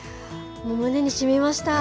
胸にしみました。